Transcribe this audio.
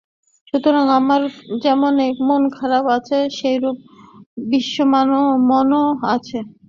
সুতরাং আমার যেমন একটি মন আছে, সেইরূপ একটি বিশ্ব-মনও আছে।